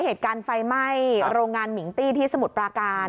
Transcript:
เหตุการณ์ไฟไหม้โรงงานมิงตี้ที่สมุทรปราการ